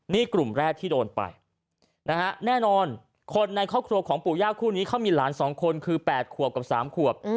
นี่กลุ่มแรกที่โดนไปนะฮะแน่นอนคนในครอบครัวของปู่ย่าคู่นี้เขามีหลาน๒คนคือ๘ขวบกับ๓ขวบ